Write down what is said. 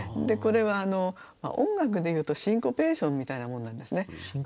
これは音楽で言うとシンコペーションみたいなものなんですね。